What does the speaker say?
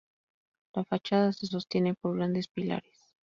La fachada se sostiene por grandes pilares.